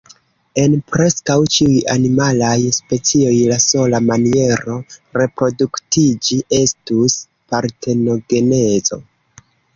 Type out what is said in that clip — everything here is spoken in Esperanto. En preskaŭ ĉiuj animalaj specioj, la sola maniero reproduktiĝi estus partenogenezo!